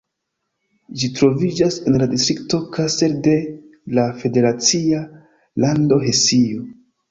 Ĝi troviĝas en la distrikto Kassel de la federacia lando Hesio.